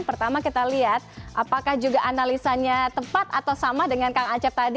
pertama kita lihat apakah juga analisanya tepat atau sama dengan kang acep tadi